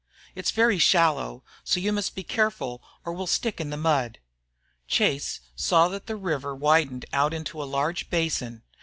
"It's very shallow, so you must be careful or we 'll stick in the mud." Chase saw that the river widened out into a large basin.